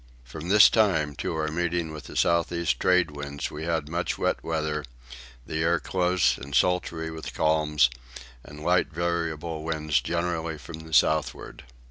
From this time to our meeting with the south east tradewind we had much wet weather, the air close and sultry with calms, and light variable winds generally from the southward.